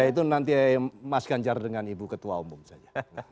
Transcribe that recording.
ya itu nanti mas ganjar dengan ibu ketua umum saja